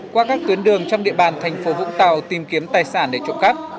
qua các tuyến đường trong địa bàn thành phố vũng tàu tìm kiếm tài sản để trộm cắp